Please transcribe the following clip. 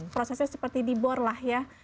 prosesnya seperti dibor lah ya